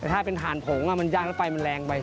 ถ้าเป็นถ่านผงมันยากแล้วไฟมันแรงไป